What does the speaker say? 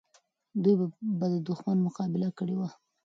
دوی به د دښمن مقابله کړې وه.